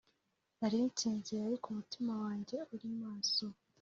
nari nsinziriye ariko umutima wanjye uri maso